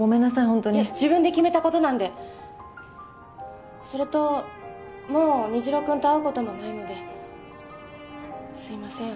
ほんとに自分で決めたことなんでそれともう虹朗君と会うこともないのですいません